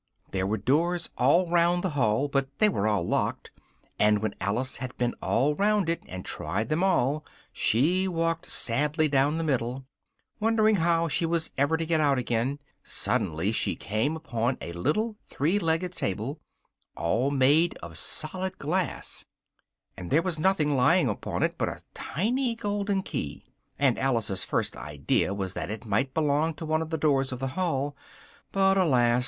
There were doors all round the hall, but they were all locked, and when Alice had been all round it, and tried them all, she walked sadly down the middle, wondering how she was ever to get out again: suddenly she came upon a little three legged table, all made of solid glass; there was nothing lying upon it, but a tiny golden key, and Alice's first idea was that it might belong to one of the doors of the hall, but alas!